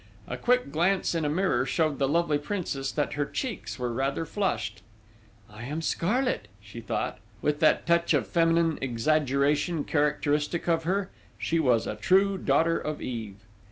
A quick glance in a mirror showed the lovely Princess that her cheeks were rather flushed: "I am scarlet," she thought, with that touch of feminine exaggeration characteristic of her! She was a true daughter of Eve!